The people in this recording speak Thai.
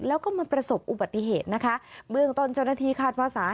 แล้วก็มาประสบอุบัติเหตุนะคะเบื้องต้นเจ้าหน้าที่คาดว่าสา